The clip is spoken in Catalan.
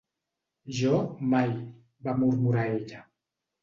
"Jo, mai", va murmurar ella.